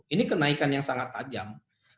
ini kenaikan yang sangat tajam